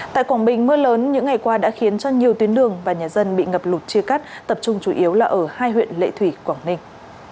tại quảng bình mưa lớn những ngày qua đã khiến cho nhiều tuyến đường và nhà dân bị ngập lụt chia cắt tập trung chủ yếu là ở hai huyện lệ thủy quảng ninh